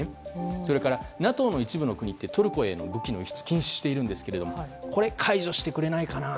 それからＮＡＴＯの一部の国ってトルコへの武器輸出を禁止しているんですけれどもこれを解除してくれないかな。